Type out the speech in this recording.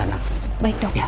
saya gak tahu pak al